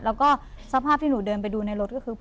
แล้วก็สภาพที่หนูเดินไปดูในรถก็คือ